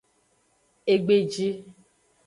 Egbeji.